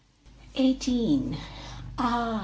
EIGHTEEN. Ah!